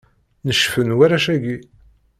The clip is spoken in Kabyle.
Necfen warrac-agi.